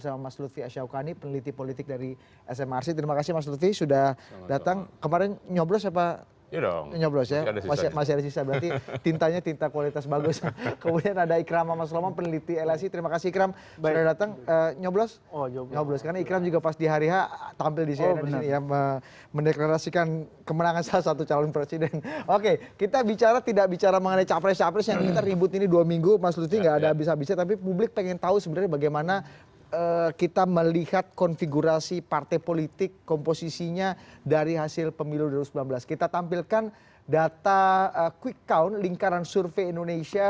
kalau kita lihat sejarah partai partai politik di indonesia